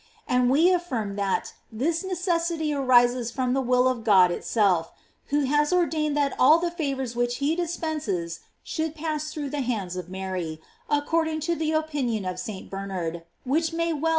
And we affirm that this necessity arises from the will of God itself, who has ordained that all the favors which he dispenses should pass through the hands of Mary, according to the opinion of St. Bernard, which may well be * Maria 3de!